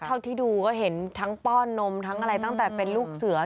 เท่าที่ดูก็เห็นทั้งป้อนนมทั้งอะไรตั้งแต่เป็นลูกเสือ